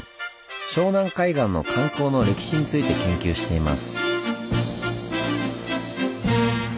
湘南海岸の観光の歴史について研究しています。